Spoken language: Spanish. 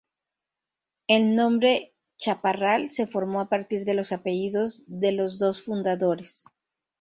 El nombre "Chaparral" se formó a partir de los apellidos de los dos fundadores.